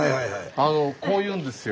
こう言うんですよ。